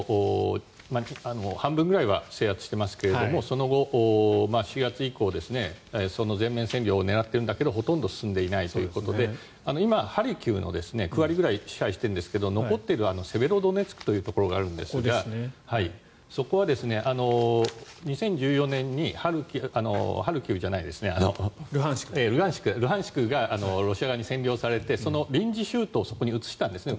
半分くらいは制圧していましたがその後、４月以降全面占領を狙っているんだけどほとんど進んでいないということで今、ハルキウの９割ぐらいを支配していますが残っているセベロドネツクというところがあるんですがそこは２０１４年にルハンシクがロシア側に占領されてその臨時州都をそこに移したんですね。